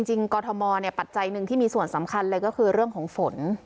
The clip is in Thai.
กรทมปัจจัยหนึ่งที่มีส่วนสำคัญเลยก็คือเรื่องของฝน